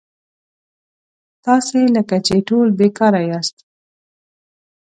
تاسي لکه چې ټول بېکاره یاست.